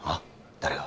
誰が？